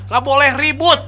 gak boleh ribut